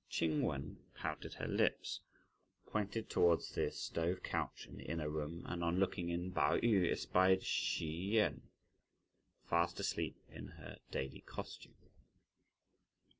Ch'ing Wen pouted her lips, pointing towards the stove couch in the inner room, and, on looking in, Pao yü espied Hsi Jen fast asleep in her daily costume.